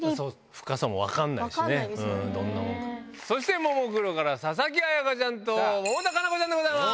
ももクロから佐々木彩夏ちゃんと百田夏菜子ちゃんでございます。